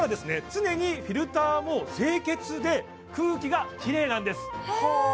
常にフィルターも清潔で空気がきれいなんですへえ！